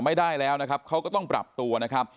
ไม่ได้แล้วนะครับเขาก็ต้องปรับตัวนะครับ